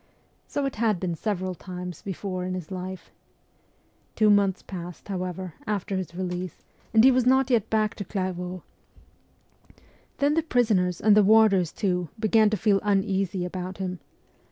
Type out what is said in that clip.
So it had been several times before in his life. Two months passed, however, after his release, and he was not yet back to Clairvaux. WESTERN EUROPE 277 Then the prisoners, and the warders too, began to feel uneasy about him.